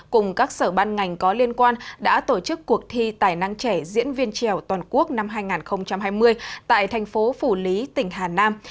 cùng các sở ban ngành có liên quan đã tổ chức cuộc thi tài năng trẻ diễn viên trèo toàn quốc năm hai nghìn hai mươi tại thành phố phủ lý tỉnh hà nam